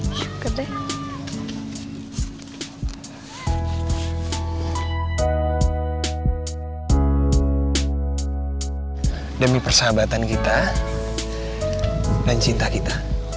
hai syukur deh demi persahabatan kita dan cinta kita